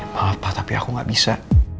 maaf pak tapi aku gak bisa